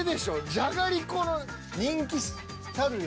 じゃがりこの人気たるや。